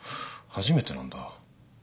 初めてなんだ。